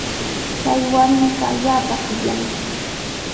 Chay warmiqa allaapa qillami.